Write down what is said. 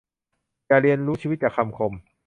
อย่าเรียนรู้ชีวิตจากคำคม